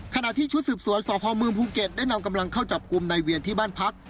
ขณะที่ชุดสืบสวนสพเมืองภูเก็ตได้นำกำลังเข้าจับกลุ่มนายเวียนที่บ้านพัก